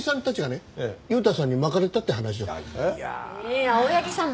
ええっ青柳さん